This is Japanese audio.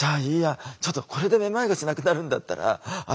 ちょっとこれでめまいがしなくなるんだったら私